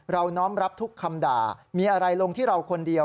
น้อมรับทุกคำด่ามีอะไรลงที่เราคนเดียว